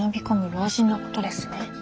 老人のことですね。